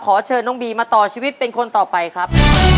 ขอเชิญน้องบีมาต่อชีวิตเป็นคนต่อไปครับ